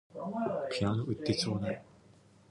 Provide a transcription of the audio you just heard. ピアノ売ってちょうだい